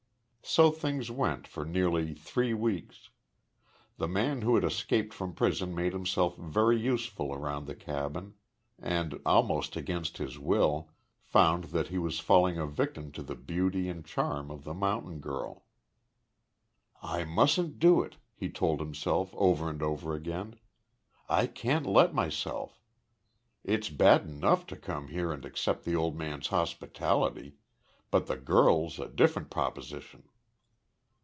So things went for nearly three weeks. The man who had escaped from prison made himself very useful around the cabin, and, almost against his will, found that he was falling a victim to the beauty and charm of the mountain girl. "I mustn't do it," he told himself over and over again. "I can't let myself! It's bad enough to come here and accept the old man's hospitality, but the girl's a different proposition."